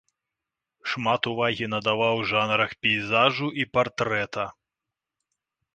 Шмат увагі надаваў жанрах пейзажу і партрэта.